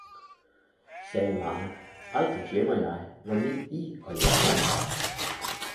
sagde Maren, aldrig glemmer jeg, hvor mild I og jer mand var!